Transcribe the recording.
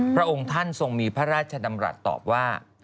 พระองค์ท่านทรงมีพระราชดำรัฐตอบว่า